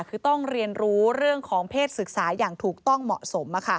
คือต้องเรียนรู้เรื่องของเพศศึกษาอย่างถูกต้องเหมาะสม